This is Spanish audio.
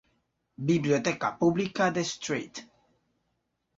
Biblioteca Pública de St.